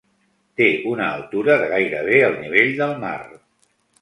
Té una altura de gairebé el nivell del mar.